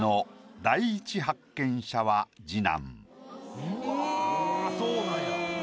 うわそうなんや。